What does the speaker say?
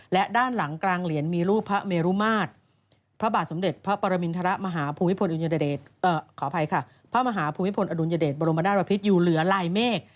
และด้านหลังกลางเหรียญมีรูปพระเมรุมาตรพระบาทสมเด็จพระปรมินทรมาหาภูมิพลอดุญเดตบรมนาศบพิษอยู่เหลือลายเมฆ